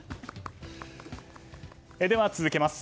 では、続けます。